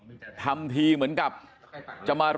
มันต้องการมาหาเรื่องมันจะมาแทงนะ